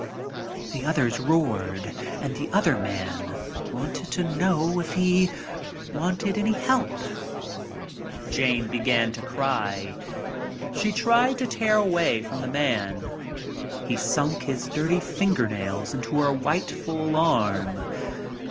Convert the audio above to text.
The others roared and the other man wanted to know if "he wanted any help?" Jane began to cry. She tried to tear away from the man. He sunk his dirty fingernails into her white full arm.